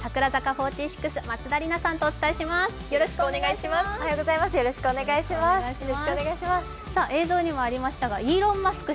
４６、松田里奈さんとお伝えしてまいります映像にもありましたがイーロン・マスク